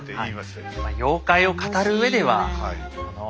妖怪を語るうえではこの。